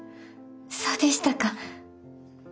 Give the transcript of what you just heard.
そうでしたか。